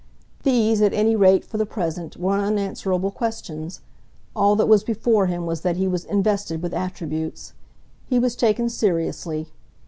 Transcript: These at any rate, for the present, were unanswerable questions; all that was before him was that he was invested with attributes. He was taken seriously.